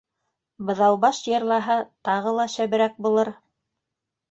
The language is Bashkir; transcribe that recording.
—Быҙаубаш йырлаһа, тағы ла шәберәк булыр.